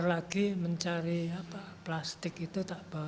setelah lagi mencari plastik itu